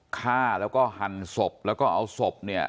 ฆ่าแล้วก็หั่นศพแล้วก็เอาศพเนี่ย